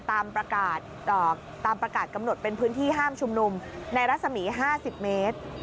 ตามประกาศกำหนดเป็นพื้นที่ห้ามชุมนุมในรัศมี๕๐เมตร